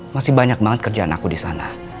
masih banyak banget kerjaan aku disana